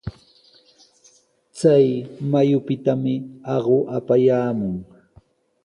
Chay mayupitami aqu apayaamun.